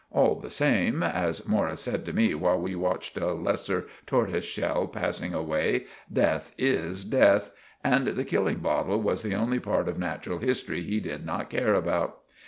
All the same, as Morris said to me while we watched a lesser tortussshell passing away, "deth is deth," and the killing bottle was the only part of natural history he did not care about.